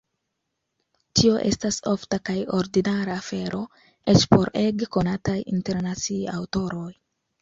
Tio estas ofta kaj ordinara afero, eĉ por ege konataj internacie aŭtoroj.